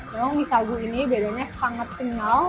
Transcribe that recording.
memang mie sagu ini bedanya sangat kenyal